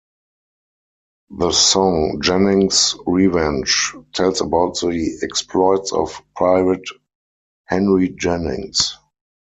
The song "Jennings' Revenge" tells about the exploits of pirate Henry Jennings.